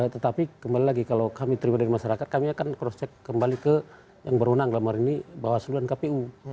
tetapi kembali lagi kalau kami terima dari masyarakat kami akan cross check kembali ke yang berwenang dalam hari ini bawaslu dan kpu